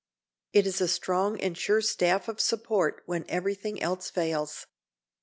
It is a strong and sure staff of support when every thing else fails.